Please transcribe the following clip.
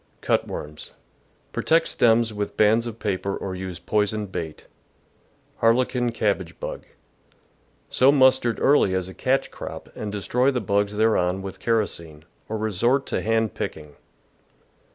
Cut worms. — Protect stems with bands of paper or use poisoned bait. Harlequin Cabbage Bug. — Sow mustard early as a catch crop and destroy the bugs thereon with kerosene, or resort to hand picking.